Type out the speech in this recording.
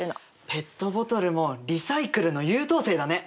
ペットボトルもリサイクルの優等生だね。